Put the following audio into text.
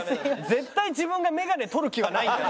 絶対自分が眼鏡取る気はないんだね。